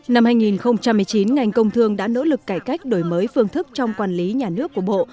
năm hai nghìn một mươi chín ngành công thương đã nỗ lực cải cách đổi mới phương thức trong quản lý nhà nước của bộ